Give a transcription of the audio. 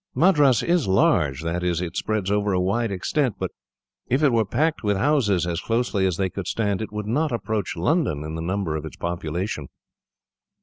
"Madras is large that is, it spreads over a wide extent; but if it were packed with houses, as closely as they could stand, it would not approach London in the number of its population."